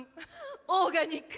オーガニック！